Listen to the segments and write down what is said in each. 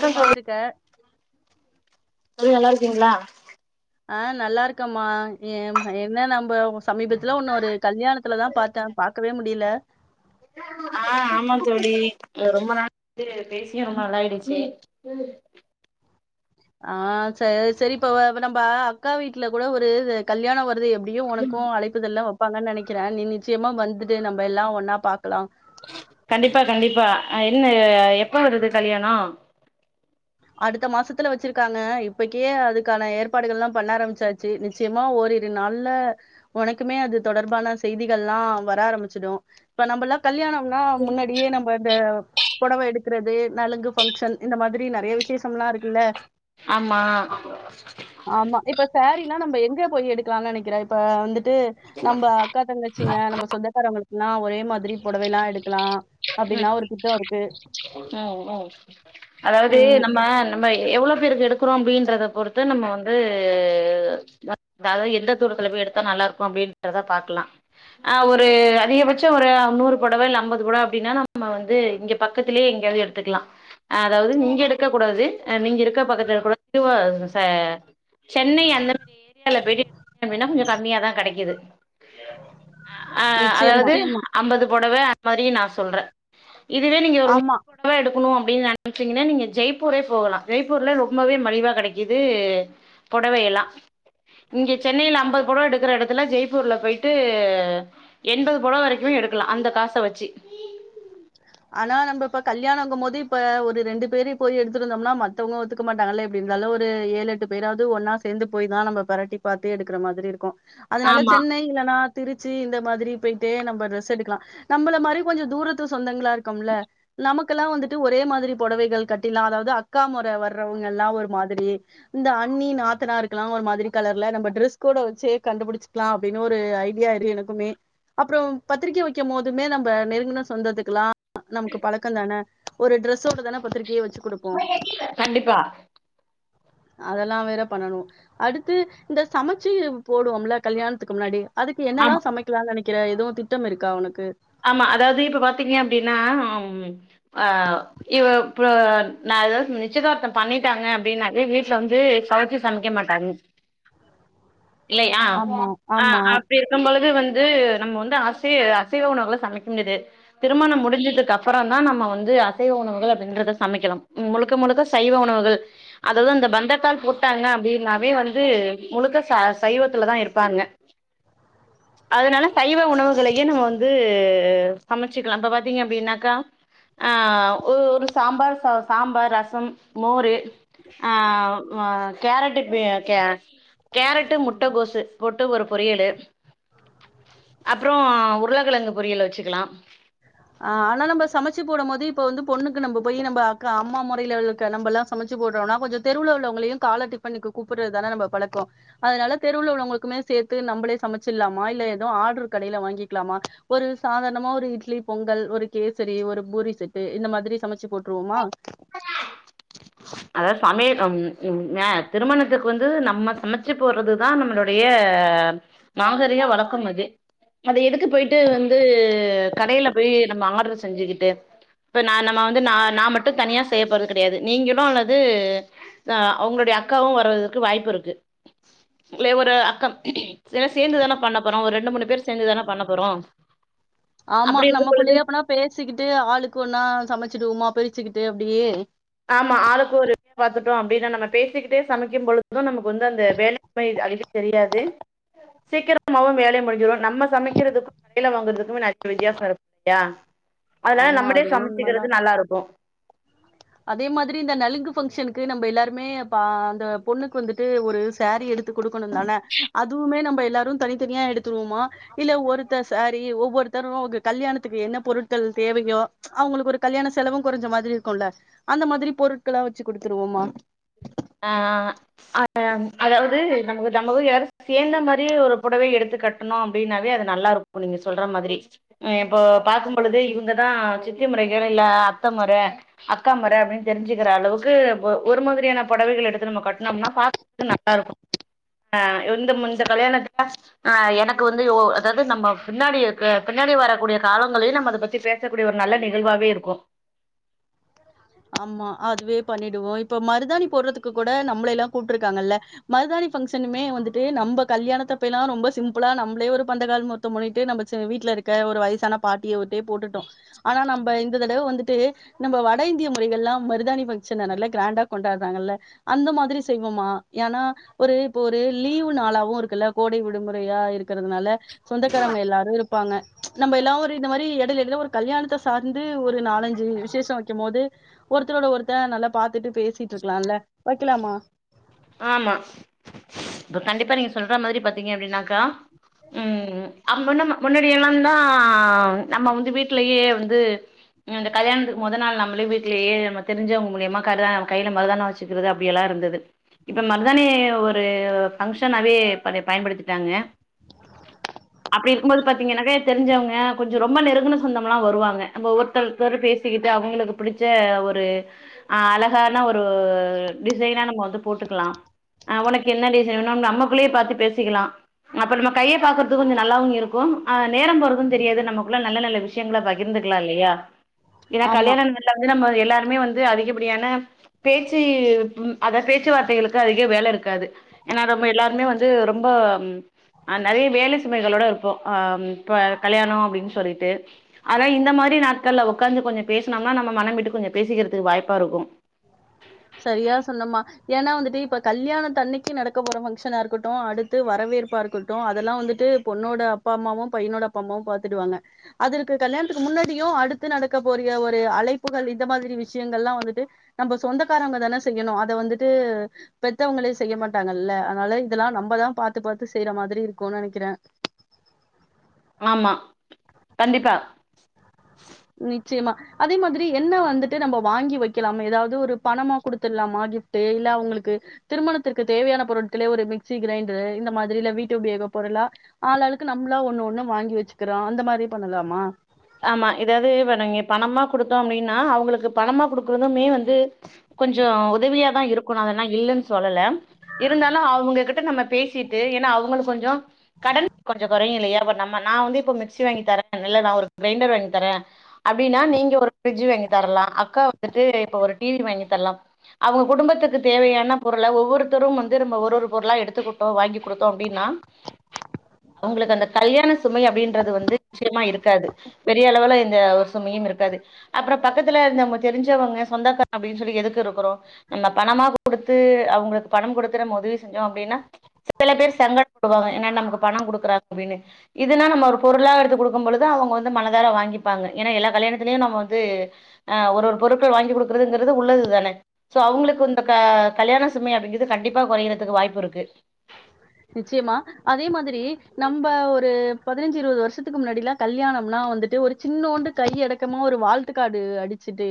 க்கம் தோழி இருக்க தோழி நல்லா இருக்கீங்களா ஆ நல்லா இருக்கம்மா என் என்ன நம்ப சமீபத்துல ஒன்னு ஒரு கல்யாணத்துலதா பாத்த பாக்கவே முடியில ஆ ஆம் தோழி ரொம்ப நாள் பேசியே ரொம்ப நல்லாயிடுச்சு ஆ சேர் சேரி இப்ப நம்ம அக்கா வீட்ல கூட ஒரு கல்யாணோ வருது எப் ப்டியு ஒனக்கு அழைப்பிதல்லா வப் பாங்கன் நெனக்கிறே நீ நிச்சயமா வந்துடு நம்ப எல்லா ஒன்னா பாக்கலா கண்டிப்பா கண்டிப்பா என்ன எப்ப வருது கல்யாணொ அடுத்த மாசத்துல வச்சுருக்காங்க இப்பக்கே அதுக்கான ஏற்பாடுகள்லா பண்ண ஆரம்பிச்சாச்சு நிச்சயமா ஓரிரு நாள்ல ஒனக்குமே அது தொடர்பான செய்திகள்லா வர ஆரம்பிச்சிடு இப்ப நம்பல்லா கல்யாணம் ன்னா முன்னாடியே நம்ப இந்த பொடவ எடுக்குறது நலங்கு பங்ஷன் இந்த மாதிரி நெறைய வி சேசம்லா இருக்குல்ல ஆமா ஆமா இப்ப சேரின்னா நம்ப எங்க போய் எடுக்கலான் நெனக்கிற இப்ப வந்து ட்டு நம்ப அக்கா தங்கச்சிங்க நம்ப சொந்தக்காரவ்ங்கள் னா ஒரே மாதிரி பொடவைலா எடுக்கலா ம் ம் ம் அதாவ்து ம் நம்ம நம்ம எவ்ளொ பேர்க்கு எடுக்குறோ அப்டின்றத பொறுத்து நம்ம வந்து அதா எந்த தூரத்துல போய் எடுத்தா நல்லாருக்கு அப்டின்றத பாக்கலா ஆ ஒரு அதிகபட்ச ஒரு நூறு பொடவ இல்ல அம்பது பொட அப்டின்னா நம்ம வந்து இங்க பக்கத்துலே எங்யாது எடுத்துக்லா அ அதாவ்து இங்க எடுக்க கூடாது அ நீங்க இருக்க பக்கத்துல கூட [inaudible] ச சென்னை அந்த மாரி ஏரியால போயிட்டு [inaudible] கொஞ்ச கம்மியாதா கெடைக்கிது ஆ நிச்சயமா. அதாவது அம்பது பொடவ [inaudible] மாரி நா சொல்ற இதுவே நீங்க ஒரு ஆமா. நூறு பொடவ எடு க்குனு அப்டின் நெனச்சீங்கன்னா நீங்க ஜெய்ப்பூரே போகலா ஜெய்ப்பூர்ல ரொம்பவே மலிவாக கெடைக்கிது பொடவயெல்லா இங்க சென்னைல அம்பது பொடவ எடுக்குற எடத்துல ஜெய்ப்பூர்ல போயிட்டு எண்பது பொடவ வரைக்குமே எடுக்கலா அந்த காச வச்சி ஆனா நம்ப இப்ப கல்யாணங்கும்போது இப்ப ஒரு ரெண்டு பேரு போய் எடுத்துட்டு வந்தம்னா மத்தவ்ங்க ஒத்துக்க மாட்டாங்கல்ல எப்டி இருந்தாலு ஒரு ஏழு எட்டு பேராாவது ஒன்னா சேந்து போய் தா நம்ப பெரட்டி பாத்து எடுக்குற மாதிரி இருக்கு அதுனால ஆமா சென்னை இல்லனா திருச்சி இந்த மாதிரி போய் ட்டு நம்ப டிரஸ் எடுக்கலா நம்பள மாரி கொஞ்ச தூரத் த்து சொந்தங்களா இருக்கொம்ல நமக்கெல்லா வந்துட்டு ஒரே மாதிரி பொடவைகள் கட்டில்லா அதாவ்து அக்கா மொற வர்றவ்ங்கல்லா ஒரு மாதிரி இந்த அண்ணி நாத்தனாருக்குல்லா ஒரு மாதிரி கலர்ல நம்ப ட்ரஸ் கோட வச்சே கண்டுபுடுச்சுக்லா அப்டின்னு ஒரு ஐடியா இரு எனக்குமே அப்றொம் பத்திரிக்க வக்கும் போதுமே நம்ப நெருங்குன சொந்தத்துக்கலா நமக்கு பழக்கந்தான ஒரு ட்ரஸ்ஸோட தான பத்திரிக்கைய வச் கண்டிப்பா அதல்லா வேற பண்ணணு அடுத்து இந்த சமச்சு போடுவோம்ல கல்யாணத்துக்கு முன்னாடி அதுக்கு ஆமா என்னல்லா சமைக்கலான் நெனை க்கிற எதுவு திட்டம் இருக்கா உனக்கு ஆமா அதாவ்து இப்ப பாத்தீங்க அப்டின்னா ஆ இவப்ப நா எதா நிச்சயதார்த்தம் பண்ணிட்டாங்க அப்டின்னாலே வீட்ல வந்து கவுச்சி சமைக்க மாட்டாங்க இல்லயா ஆமா ஆ ஆமா அப்டி இருக்கும் பொழுது வந் து நம்ம வந்து அசை அசைவ உணவுகள சமைக்க முடியாது திருமணம் முடுஞ்சதுக்கப்பறந்தா நம்ம வந்து அசைவ உணவுகள் அப்டின்றத சமைக்கலம் முழுக்க முழுக்க சைவ உணவுகள் அததா இந்த பந்தக்கால் போட்டாங்க அப்டின்னாவே வந்து முழுக்க ச சைவத்துல தா இருப்பாங்க அதுனால சைவ உணவுகளையே நம்ம வந் து சமச்சிக்லா இப்ப பாத்தீங்க அப்டின்னாக்கா ஆ ஒரு சாம்பார் சா சாம்பார் ரசம் மோரு ஆ வ கேரட்டு பி கியா கேரட்டு முட்டை கோசு போட்டு ஒரு பொரியலு அப்ற உருளைக்கிழங்கு பொரியலு வச்சுக்கலா ஆ ஆனா நம்ம சமைச்சு போடும் போது ப் இப்ப வந்து பொண்ணுக்கு நம்ப போய் நம்ப அக்கா அம்மா முறையல நம்பல்லாம் சமைச்சு போடுறோம்னா கொஞ்சம் தெருவுள்ள உள்ளவங்களையு கால டிபனுக்கு கூப்டறது தானே நம்ப பழக்கம் அதனால தெருவுள்ள உள்ளவங்களுக்குமே சேர்த்து நம்பளே சமைச்சில்லாமா இல்ல ஏதும் ஆர்டரு கடையில வாங்கிக்கலாமா ஒரு சாதாரணமா ஒரு இட்லி பொங்கல் ஒரு கேசரி ஒரு பூரி செட்டு இந்த மாதிரி சமைச்சு போட்டுருவோமா அதாவது சமைய ம் ம் எ திருமணத்துக்கு வந்து நம்ம சமைச்சு போடுறதுதா நம்மளுடைய நாகரிக வழக்கம் அது அதை எடுத்து போயிட்டு வந்து கடையில போய் நம்ப ஆர்டரு செஞ்சுக்கிட்டு இப்ப நா நம்ப வந்து ந நா மட் டு தனியா செய்யப்போரது கிடையாது நீங்களு அல்லது அவங்களுடைய அக்காவு வருவதற்கு வாய்ப்பு இருக்கு ங்களே ஒரு அக்கம் எல்லா சேந்துதான பண்ண போற ஒரு ரெண்டு மூணு பேர் சேந்து தானே பண்ண போறோ ஆமா அப்டி இருக்கும் பொழுது நம்மக்குள்ளயே அப்னா பேசிக்கிட்டு ஆளுக்கு ஒன்னா சமைச் சுடுவோமா பிரிச்சுக்கிட்டு அப்டியே ஆமா ஆளுக்கு ஒரு பாத்துட்டோ அப்டின்னா நம்ப பேசிக்கிட்டே சமைக்கும் பொழுதும் நமக்கு வந்து அந்த வேலைண்மை அலுப்பு தெரியாது சீக்கிரமாவு வேலை முடிஞ்சிடும் நம்ம சமைக்கிறதுக்கும் கையில வாங்குறதுக்கு வித்யா சார [unintelligible] அதனால ஆமா நம்மளே அது உண்மதா சம்ச்சிக்கிறது நல்லா இருக்கு அதே மாதிரி இந்த நலங்கு பங்க்ஷனுக்கு நமப எல்லாருமே ப அந்த பொண்ணுக்கு வந்துட்டு ஒரு சேரி எடுத்து கொடுக்கணு தான அதுவுமே நம்ப எல்லாரு தனித்தனியா எடுத்துருவோமா இல்ல ஒருத்தர் சேரி ஒவ்வொருத்தரும் கல்யாணத்துக்கு என்ன பொருட்கள் தேவையோ அவங்களுக்கு ஒரு கல்யாண செலவும் கொறஞ்ச மாதிரி இருக்கும்ல அந்த மாதிரி பொருட்களாம் வச்சு குடுத்துருவோமா ஆ அஹ அதாவது நமக்கு நமக்கு வீடு சேர்ந்த மாதிரி ஒரு புடவை எடுத்து கட்டணும் அப்டின்னாவே அது நல்லா இருக்கு நீங்க சொல்ற மாதிரி அ இப்போ பாக்கும் பொழுது இவங்கதா சித்தி முறைகள் இல்ல அத்தை முற அக்கா முற அப்டின்னு தெரிஞ்சுக்கிற அளவுக்கு ஒரு மாதிரியான புடவைகள் எடுத்து நம்ம கட்டனோம்னா பாக்கறது நல்லா இருக்கும் ஆஹ் இந்த இந்த கல்யாணத்தல ஆஹ் எனக்கு வந்து அதாவது நம்ம பின்னாடி இரு பின்னாடி வரக்கூடிய காலங்களையும் நம்ம அதை பத்தி பேசக்கூடிய ஒரு நல்ல நிகழ்வாவே இருக்கு ஆமா அதுவே பண்ணிடுவோ இப்ப மருதானி போடுறதுக்கு கூட நம்மளல்லா கூப்ட்டுருக்காங்கல்ல மருதானி ஃபங்க்ஷனுமே வந்துட்டு நம்ப கல்யாணத்தைப்பயல எல்லா ரொம்ப சிம்பிளா நம்மளே பந்தகால் மொத்தம் முண்ணிட்டு நம்ம வீட்டுல இருக்க ஒரு வயசான பாட்டிய ஒரு போட்டுட்டோ ஆனா நம்ப இந்த தடவ வந் ட்டு நம்ம வட இந்திய மு எல்லாம் மருதாணி வச்சு நல்லா கிராண்டா கொண்டாடுறாங்க இல்ல அந்த மாதிரி செய்வோமா ஏனா ஒரு ஒரு லீவு நளாவு இருக்குள்ள கோடை விடுமுறையா இருக்கிறதுனால சொந்தக்காரவங்க எல்லாரு இரு ப்பாங்க ச் நம்ப எல்லா ஒரு இந்த மாரி இட எடையில ஒரு கல்யாணத்த சார்ந்து ஒரு நாலஞ்சு விசேஷம் வைக்கும் போது ஒருத்தரோட ஒருத்த நல்லா பாத்துட்டு பேசிட்டு இருக்கலாம்ல வைக்கலாமா ஆமா இப்ப கண்டிப்பா நீங்க சொல்ற மாரி பாத்தீங்க அப்டின்னா லாம் ம் அங்க நம முன்னாடி எல்லாந்தா நம்ம வந்து வீட்லேயே வந்து இந்த கல்யாணத்துக்கு முத நாள் நம்மளே வீட்லேயே நம்ம தெரிஞ்சவங்க மூலியமா கருதா நம்ம கையில மருதானி வச்சுக்கிறது அப்டியல்லா இருந்தது இப்ப மருதானி ஒரு ஃபங்க்ஷனாவே இப்ப பயன்படுத்திட்டாங்க அப்டி இருக்கும்போது பாத்தீங்கன்னாக்க தெரிஞ்சவங்க கொஞ்ச ரொம்ப நெருங்கன சொந்தமலாம் வருவாங்க நம்ம ஒவ்வொருத்தத்தரும் பேசிக்கிட்டு அவங்களுக்கு பிடிச்ச ஒரு அ அழகான ஒரு டிசைனா நம்ம வந்து போட்டுக்கலா ஆ உனக்கு என்ன ரீசன் வேனும் நம்ம பிள்ளைய பாத்து பேசிக்கலா அப்ப நம்ம கையை பாக்குறது கொஞ்சம் நல்லாவு இருக்கும் ஆ நேரம் போறது தெரியாது நமக்குள்ள நல்ல நல்ல விஷயங்களளை பகிர்ந்துக்கலா இல்லையா ஏன்னா ஆமா கல்யாணல வந்து நம்ம எல்லாருமே வந்து அதிகப்படியான பேச்சு அத பேச்சு பேச்சுவார்த்தைகளுக்கு அதிக வேலை இருக்காது ஏன்னா ரொம்ப எல்லாருமே வந்து ரொம்ப நிறைய வேலை சுமைகளோட இருப்போ ஆ கல்யாணம் அப்டின் சொல்லிட்டு அதா இந்த மாரி நாட்கள்ல உக்காந்து கொஞ்ச பேசனோம்னா நம்ம மனம் விட்டு கொஞ்ச பேசிக்கிறதுக்கு வாய்ப்பா இருக்கு சரியா சொன்னமா ஏன்னா வந்துட்டு இப்ப கல்யாண தன்னைக்கு நடக்க போற பங்க்ஷனா இருக்கட்டு அடுத்து வரவேற்பா இருக்கட்டு அதெல்லா வந்துட்டு பொண்ணோட அப்பா அம்மாவு பையனோட அப்பா அம்மாவு பாத்துடுவாங்க அதுற்கு கல்யாணத்துக்கு முன்னாடியு அடுத்து நடக்க போற ஒரு அழைப்புகள் இந்த மாதிரி விஷயங்களல்லா வந்துட்டு நம்ம சொந்த செந்தகாரவங்க தானே செய்யணு அதை வந்துட்டு பெத்தவங்களே செய்ய மாட்டாங்கல்ல அதனால இதெல்லா நம்பதா பாத்து பாத்து செய்யற மாதிரி இருக்கும்னு நினைக்கிறே ஆமா கண்டிப்பா நிச்சியமா அதே மாதிரி என்ன வந்துட்டு நம்ப வாங்கி வைக்கலாமே ஏதாவது ஒரு பணமோ குடுத்துடலாமா கிஃப்ட்டு இல்ல உங்களுக்கு திருமணத்திற்கு தேவையான பொருட்கலயே ஒரு மிக்சி கிரைண்டரு இந்த மாதிரி இல்ல வீட்டு உபயோக பொருளா ஆளாளுக்கு நம்பளா ஒண்ணு ஒண்ணு வாங்கி வச்சுக்கிறோ அந்த மாரி பண்ணலாமா ஆமா ஏதாது இ நீங்க பணமா குடுத்தோ அப்டின்னா அவங்களுக்கு பணமா குடுக்குறதுமே வந்து கொஞ்சம் உதவியாதா இருக்கணு அதெல்லா இல்லன் சொல்லல இருந்தாலு அவங்ககிட்ட நம்ம பேசிட்டு ஏன்னா அவங்களுக்கு கொஞ்ச கடன் கொஞ்ச குறையும் இல்லையா பட் நம்ம நா வந்து இப்ப மிக்சி வாங்கி தரே இல்ல நா கிரைண்டர் வாங்கி தரே அப்டின்னா நீங்க ஒரு ஃபிரிட்ஜ் வாங்கி தரலா அக்கா வந்துட்டு இப்ப ஒரு டிவி வாங்கி தரலா அவங்க குடும்பத்துக்கு தேவையான பொருளை ஒவ்வொருத்தரும் வந்து நம்ம ஒரு ஒரு பொருளா எடுத்துக்கட்டோ வாங்கி கொடுத்தோ அப்டின்னா அவங்களுக்கு அந்த கல்யாண சுமை அப்டின்றது வந்து நிக்ஷயமா இருக்காது பெரிய அளவுல இந்த ஒரு சுமையும் இருக்காது அப்ற பக்கத்துலருந் நம்ம தெரிஞ்சு தெரிஞ்சவங்க சொந்தக்கார அப்டின் சொல்லி எதுக்கு இருக்குறோ நா பணமா குடுத்து அவங்களுக்கு பணம் குடுத்துறம்போது செஞ்சோ அப்டின்னா சில பேர் சங்கட்டப்படுவாங்க ஏனா நமக்கு பணம் குடுக்குறாங்க அப்டின்னு இதுனா நம்ம ஒரு பொருளாக எடுத்து குடுக்கும் பொழுது அவங்க வந்து து மனதார வாங்கிப்பாங்க ஏனா எல்லா கல்யாணத்திலயு நம்ம வந்து ஆ ஒரு ஒரு பொருப்பு வாங்கி குடுக் [unintelligible] உள்ளது தான சோ அவங்களுக்கு வந் க கல்யாண சுமை அப்டிங்குறது கண்டிப்பா குறையறதுக்கு வாய்ப்பு இருக்கு நிச்சயமா அதே மாதிரி நம்ப ஒரு பதினஞ்சு இருவது வருஷத்துக்கு முன்னாடில கல்யாணம்னா வந்துட்டு ஒரு சின்னோண்டு கை அடக்கமா ஒரு வாழ்த்துக்காடு அடிச்சுட்டு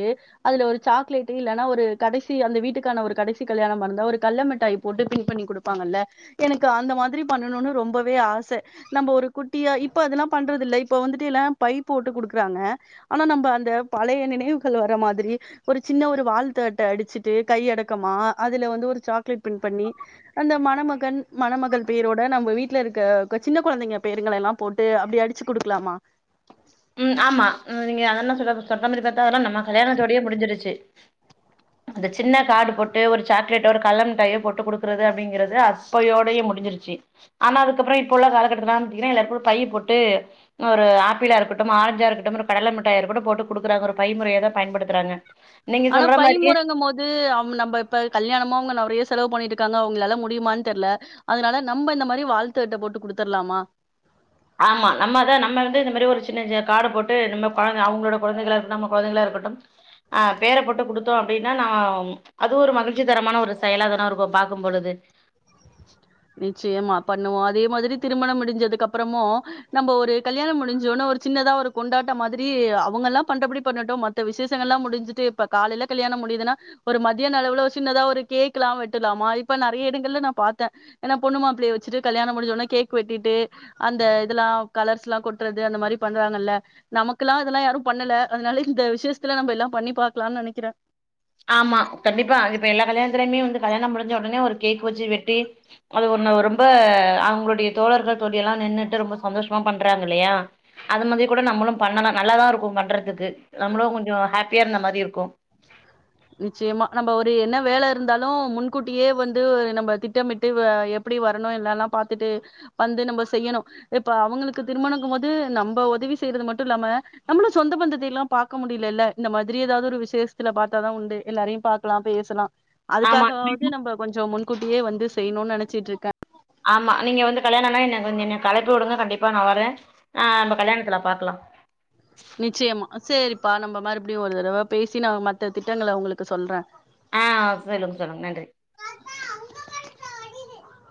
அதுல ஒரு சாக்லேட்டு இல்லன்னா ஒரு கடைசி அந்த வீட்டுக்கான ஒரு கடைசி கல்யாணமா இருந்தா ஒரு கல்ல மிட்டாய் போட்டு பின் பண்ணி குடுப்பாங்கல்ல எனக்கு அந்த மாதிரி பண்ணணுன்னு ரொம்பவே ஆச நம்ம ஒரு குட்டியா இப்ப அதெல்லா பண்றது இல்ல இப்ப வந்துட்டு இலாம் பைப்பு உட்டு குடுக்குறாங்க ஆனா நம்ப அந்த பழைய நினைவுகள் வர மாதிரி ஒரு சின்ன ஒரு வாழ்து அட்ட அடிச்சுட்டு கை அடக்கமா அதுல வந்து ஒரு சாக்லேட் பின் பண்ணி அந்த மணமக் கன் மணமகள் பெயரோட நம்ம வீட்ல இருக்க சின்ன கொழந்தைங்க பெயருங்களெல்லா போட்டு அப்படி அடிச்சு குடுக்கலாமா ம் ஆமா நீங்க அத [unintelligible] அதல்லா நம்ம கல்யாணத்தோடயே முடிஞ்சிருச்சு அந்த சின்ன காடு போட்டு ஒரு சாக்லேட்ட ஒரு கள்ள முட்டாயோ போட்டு குடுக்குறது அப்டிங்கறது அப்பயோடயே முடிஞ்சிருச்சு ஆனா அதுக்கப்பறோ இப்போ உள்ள காலக்கட்டத்துலா [unintelligible] பைய் போட்டு ஒரு ஆப்பிளா இருக்கட் டும் ஆரஞ்சா இருக்கட்டும் கடல மிட்டாயா இருக்கட்டும் போட்டு குடுக்குறாங்க ஒரு பைமுறையதா பயன் படுத்துறாங்க ஆனா பை முறங்கும் போது அவ் நம்ப இப்ப கல்யாணமா [unintelligible] ஏஸ் செலவு பண்ணிட்ருக்காங்க அவங்களால முடியுமான் தெர்ல அதனால நம்ம இந்த மாரி வாழ்த்து அட்ட போட்டு குடுத்தர்லாமா ஆமா நம்மதா நம்ம வந்து இந்த மேரி ஒரு சின்ன சின்ன காடு போட்டு நம்ம கொழந்த அவங்களோட கொழந்தைகளா இருக்கட்டும் நம்ம கொழந்தைகளா இருக்கட்டும் ஆ பேர போட்டு குடுத்தோ அப்டின்னா நம்ம அது ஒரு மகிழ்ச்சி தரமான ஒரு செயலாதான இருக்கு பாக்கும் போழுது நிச்சயமா பண்ணுவோ அதே மாதிரி திருமணம் முடிஞ்சதுக்கு அப்புறமு நம்ம ஒரு கல்யாணம் முடிஞ்சோனே ஒரு சின்னதா ஒரு கொண்டாட்டம் மாதிரி அவுங்கெல்லா பண்றபடி பண்ணட்டு மத்த விசேஷங்கள் எல்லா முடிஞ்சுட்டு இப்ப காலைல கல்யாணம் முடியுதுன்னா ஒரு மதியான அளவுல ஒரு சின்னதா ஒரு கேக்குலா வெட்டுலாமா இப்ப நறைய இடங்கள்ல நா பாத்த ஏனா பொண்ணு மாப்ளய வெச்சுட்டு கல்யாணம் முடிஞ்சோடன கேக் வெட்டிட்டு அந்த இதெல்லாம் கலர்ஸ்ல்லாம் கொட்டுறது அந்த மாரி பண்றாங்கல்ல நமகெல்லா இதெல்லா யாரு பண்ணல அதனால இந்த விஷேசத்துல நம்ப எல்லா பண்ணி பாக்லான் நெனைக்கிற ஆமா கண்டிப்பா இப்ப எல்லா கல்யாணத்துலயுமே வந்து கல்யாணம் முடிஞ்ச ஒடனே ஒரு கேக் வெச்சு வெட்டி அது ஒண்ணு ரொம்ப அவங்களுடைய தோழர்கள் தோழி எல்லா நின்னுட்டு ரொம்ப சந்தோஷமா பண்றாங்க இல்லையா அது மாதிரி கூட நம்மளும் பண்ணலா நல்லாதா இருக்கும் பண்றதுக்கு நம்மளும் கொஞ்சோ ஹேப்பியா இருந்த மாரி இருக்கு நிச்சயமா நம்ம ஒரு என்ன வேல இருந்தாலு முன்கூட்டியே வந்து நம்ம திட்டமிட்டு எப்டி வரணு எல்லெல்லா பாத்துட்டு வந்து நம்ம செய்யணு இப்ப அவங்களுக்கு திருமணங்க போது நம்ம உதவி செய்யறது மட்டு இல்லாம நம்மளு சொந்த பந்தத்தை எல்லா பாக்க முடியலல்ல இந்த மாதிரி ஏதாவது ஒரு விஷேஷத்துல பாத் தாதா உண்டு எல்லாரையும் பார்க்கலாம் பேஸ்சலா ஆமா அதுக்காகாவது நம்ப கொஞ்சோ முன் கூட்டியே வந்து செய்ணுன் நெனச்சிட்டு இருக்க ஆமா நீங்க வந்து கல்யாணன்னா என்ன கொஞ்ச கலப்பி உடுங்க கண்டிப்பா நா வர ஆ நம்ப கல்யாணத்துல பாக்லா நிச்சயமா சேரிப்பா நம்ம மறுபடியு ஒரு தடவ பேசி நா மத்த திட்டங்கள உங்களுக்கு சொல்ற ஆ சொல்லுங்க சொல்லுங்க நன்றி